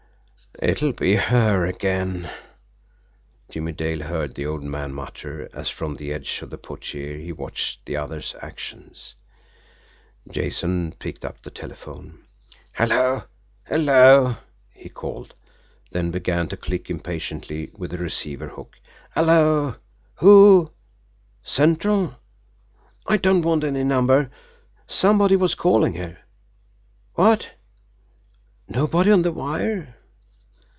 "It'll be her again!" Jimmie Dale heard the old man mutter, as from the edge of the portiere he watched the other's actions. Jason picked up the telephone. "Hello! Hello!" he called then began to click impatiently with the receiver hook. "Hello! ... Who? ... Central? ... I don't want any number somebody was calling here. ... What? ... Nobody on the wire!"